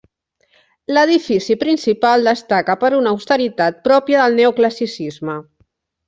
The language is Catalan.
L'edifici principal destaca per una austeritat pròpia del neoclassicisme.